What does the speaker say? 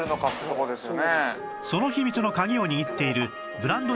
その秘密の鍵を握っているブランド